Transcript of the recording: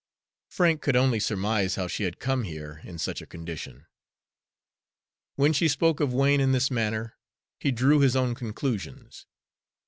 Frank could only surmise how she had come here, in such a condition. When she spoke of Wain in this manner, he drew his own conclusions.